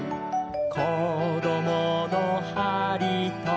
「こどものはりと」